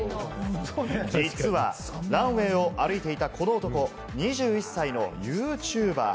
実はランウェイを歩いていたこの男、２１歳のユーチューバー。